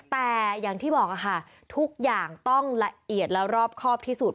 แต่อย่างที่บอกค่ะทุกอย่างต้องละเอียดและรอบครอบที่สุด